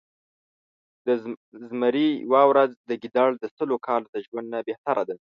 د زمري يؤه ورځ د ګیدړ د سلو کالو د ژؤند نه بهتره ده